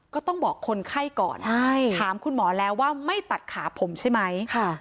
ก็ต้องบอกคนไข้ก่อนถามคุณหมอแล้วว่าไม่ตัดขาผมใช่ไหม